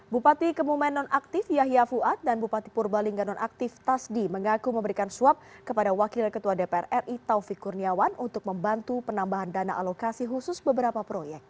bupati kemumen nonaktif yahya fuad dan bupati purbalingga nonaktif tasdi mengaku memberikan suap kepada wakil ketua dpr ri taufik kurniawan untuk membantu penambahan dana alokasi khusus beberapa proyek